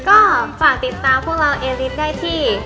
ก็ฝากติดตามพวกเราเอริฟได้ที่